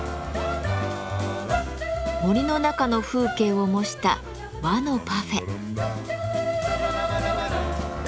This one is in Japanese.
森の中の風景を模した和のパフェ。